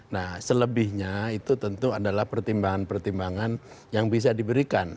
nah selebihnya itu tentu adalah pertimbangan pertimbangan yang bisa diberikan